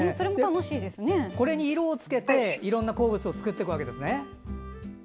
これに色をつけていろんな鉱物を作るわけですね。